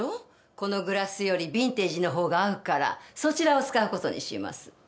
このグラスよりビンテージのほうが合うからそちらを使う事にします。